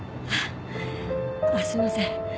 あっすいません。